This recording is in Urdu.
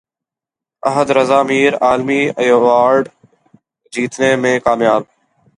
احد رضا میر عالمی ایوارڈ جیتنے میں کامیاب